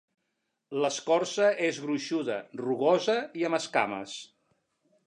L'escorça és gruixuda, rugosa i amb escames.